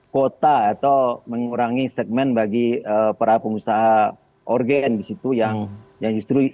kuota atau mengurangi segmen bagi para pengusaha organ di situ yang yang justru